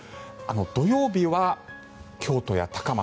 土曜日は京都や高松